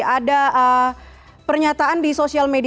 ada pernyataan di sosial media